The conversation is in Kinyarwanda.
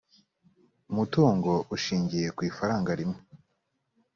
umutungo ushingiye kw ifaranga rimwe